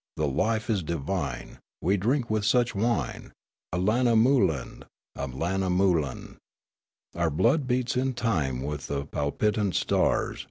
The life is divine. We drink with such wine. Allanamoulin, Allanamoulin. Our blood beats in time with the palpitant stars.